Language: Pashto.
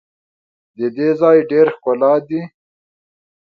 د دې ځای ډېر ښکلا دي.